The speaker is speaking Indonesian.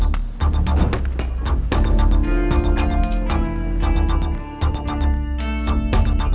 kalau tiba tiba berhasil